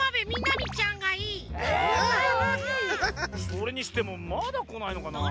それにしてもまだこないのかなぁ。